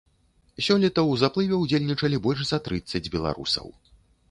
Сёлета ў заплыве ўдзельнічалі больш за трыццаць беларусаў.